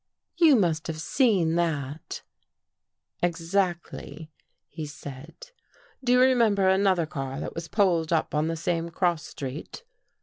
" You must have seen that." " Exactly," he said. " Do you remember another car that was pulled up on the same cross street?